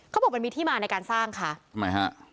เขาบอกมันมีที่มาในการสร้างค่ะทำไมฮะ